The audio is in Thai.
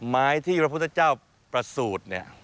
ไม้ที่พระพุทธเจ้าประสูจน์เนี่ย